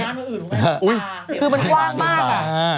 คือมันกว้างมากอ่ะ